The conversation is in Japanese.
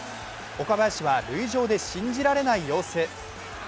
岡林は塁上で信じられない様子。